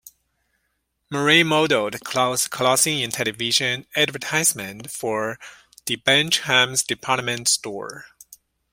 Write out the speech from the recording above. Murray modeled clothing in television advertisements for Debenhams department store.